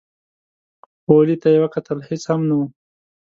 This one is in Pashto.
غولي ته يې وکتل، هېڅ هم نه و.